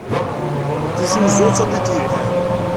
Tiziwezzu d tamdint yelhan.